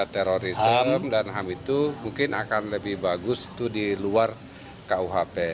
teroris ham dan ham itu mungkin akan lebih bagus di luar kuhp